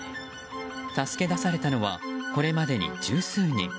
助け出されたのはこれまでに十数人。